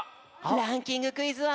ランキングクイズはここまで！